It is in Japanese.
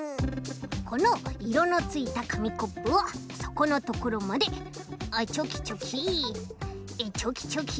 このいろのついたかみコップをそこのところまであっチョキチョキチョキチョキ。